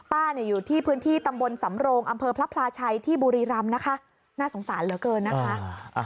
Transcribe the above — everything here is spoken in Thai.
อยู่ที่พื้นที่ตำบลสำโรงอำเภอพระพลาชัยที่บุรีรำนะคะน่าสงสารเหลือเกินนะคะ